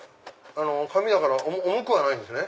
紙だから重くはないんですね。